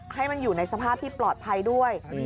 ให้มันอยู่ในสภาพที่ปลอดภัยด้วย